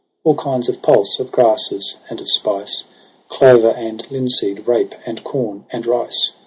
All kinds of pulse, of grasses, and of spice. Clover and linseed, rape, and corn, and rice.